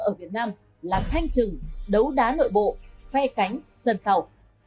ở việt nam là thanh trừng đấu đá nội bộ phe cánh sân sau